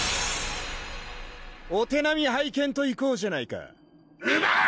お手なみ拝見といこうじゃないかウバー！